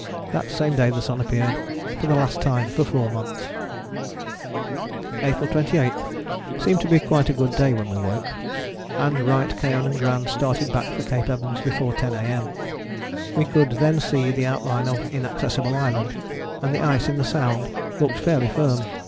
" That same day the sun appeared for the last time for four months. April 28 seemed to be a quite good day when we woke, and Wright, Keohane and Gran started back for Cape Evans before 10 A.M. We could then see the outline of Inaccessible Island, and the ice in the Sound looked fairly firm.